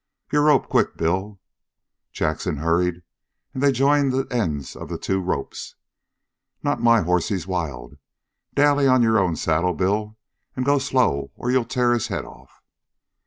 "Your rope, quick, Bill!" Jackson hurried and they joined the ends of the two ropes. "Not my horse he's wild. Dally on to your own saddle, Bill, and go slow or you'll tear his head off."